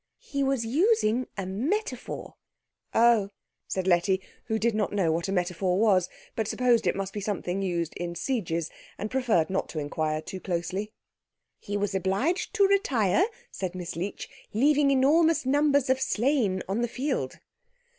"He was using a metaphor." "Oh," said Letty, who did not know what a metaphor was, but supposed it must be something used in sieges, and preferred not to inquire too closely. "He was obliged to retire," said Miss Leech, "leaving enormous numbers of slain on the field."